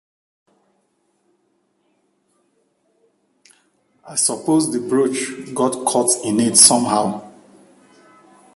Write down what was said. I suppose the brooch got caught in it somehow.